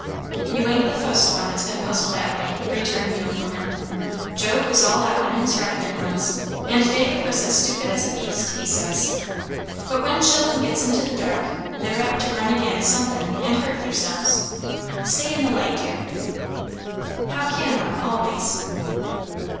"You ain't the fust one that's been puzzled that way," returned the old woman. "Job was all out in his reckoning once; and David was as stupid as a beast, he says. But when chillen gets into the dark, they're apt to run agin sun'thin' and hurt theirselves. Stay in the light, dear." "How can one, always?"